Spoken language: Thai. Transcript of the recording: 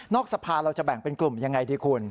สภาเราจะแบ่งเป็นกลุ่มยังไงดีคุณ